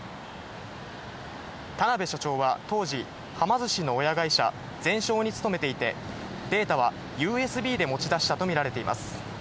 田辺社長は当時、はま寿司の親会社、ゼンショーに勤めていて、データはＵＳＢで持ち出したと見られています。